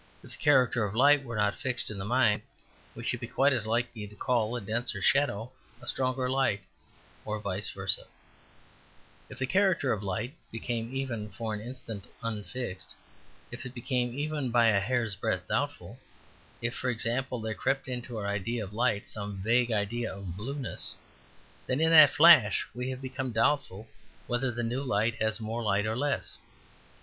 If the character of light were not fixed in the mind, we should be quite as likely to call a denser shadow a stronger light, or vice versa If the character of light became even for an instant unfixed, if it became even by a hair's breadth doubtful, if, for example, there crept into our idea of light some vague idea of blueness, then in that flash we have become doubtful whether the new light has more light or less.